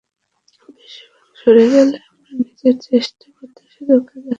বিশ্বব্যাংক সরে গেলে আমরা নিজের চেষ্টায় পদ্মা সেতুর কাজে হাত দিয়েছি।